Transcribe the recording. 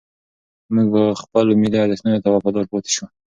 موږ به خپلو ملي ارزښتونو ته وفادار پاتې شو.